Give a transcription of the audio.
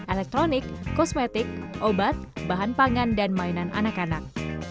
elektronik kosmetik obat bahan pangan dan mainan anak anak